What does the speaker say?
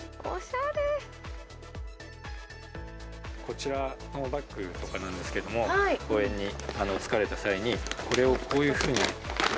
こちらのバッグとかなんですけど、公園に着かれた際に、これをこういうふうに。